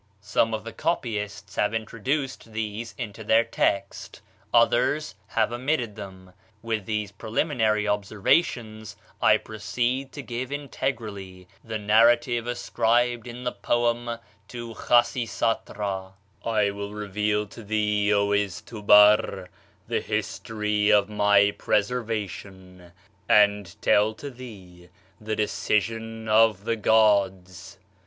Some of the copyists have introduced these into their text, others have omitted them. With these preliminary observations, I proceed to give integrally the narrative ascribed in the poem to Khasisatra: "'I will reveal to thee, O Izdhubar, the history of my preservation and tell to thee the decision of the gods.